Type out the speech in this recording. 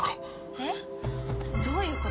えっ？どういうこと？